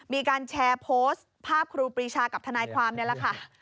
มีการแชร์โพสต์ภาพครูปรีชากับทนายความนี่แหละค่ะ